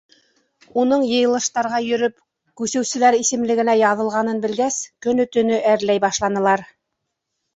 Уның йыйылыштарға йөрөп, күсеүселәр исемлегенә яҙылғанын белгәс, көнө-төнө әрләй башланылар.